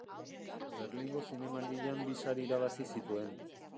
Berlingo Zinemaldian bi sari irabazi zituen.